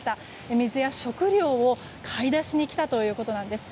水や食料を買い出しに来たということなんです。